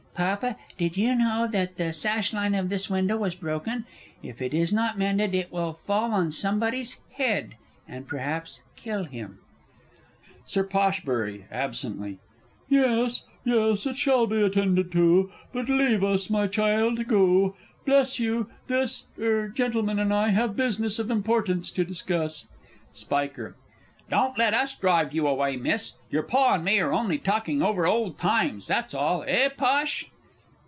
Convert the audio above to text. Papa, did you know that the sashline of this window was broken? If it is not mended, it will fall on somebody's head, and perhaps kill him! Sir P. (absently). Yes yes, it shall be attended to; but leave us, my child, go. Bleshugh, this er gentleman and I have business of importance to discuss. Spiker. Don't let us drive you away, Miss; your Pa and me are only talking over old times, that's all eh, Posh?